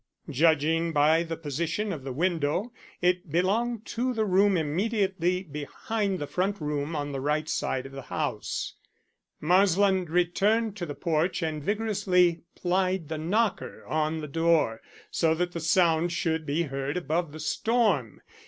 Judging by the position of the window, it belonged to the room immediately behind the front room on the right side of the house. Marsland returned to the porch and vigorously plied the knocker on the door, so that the sound should be heard above the storm.